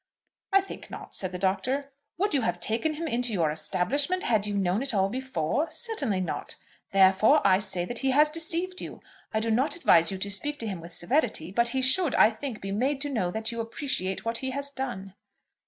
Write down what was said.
"I think not," said the Doctor. "Would you have taken him into your establishment had you known it all before? Certainly not. Therefore I say that he has deceived you. I do not advise you to speak to him with severity; but he should, I think, be made to know that you appreciate what he has done."